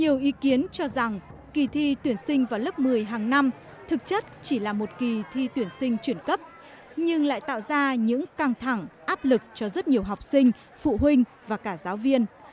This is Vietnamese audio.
nhiều ý kiến cho rằng kỳ thi tuyển sinh vào lớp một mươi hàng năm thực chất chỉ là một kỳ thi tuyển sinh chuyển cấp nhưng lại tạo ra những căng thẳng áp lực cho rất nhiều học sinh phụ huynh và cả giáo viên